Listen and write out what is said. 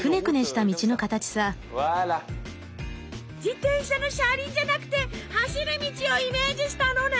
自転車の車輪じゃなくて走る道をイメージしたのね。